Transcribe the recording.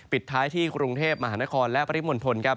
ปิดท้ายที่กรุงเทพฯมหานครและพระอิทมนตร